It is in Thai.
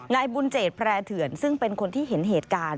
นายบุญเจแพร่เถื่อนซึ่งเป็นคนที่เห็นเหตุการณ์